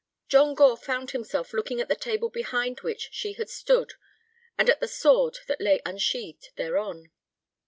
John Gore found himself looking at the table behind which she had stood and at the sword that lay unsheathed thereon.